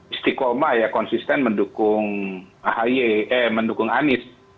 istiqomah ya konsisten mendukung ahy eh mendukung anies